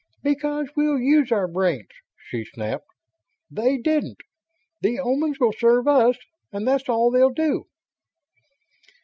"Because we'll use our brains!" she snapped. "They didn't. The Omans will serve us; and that's all they'll do."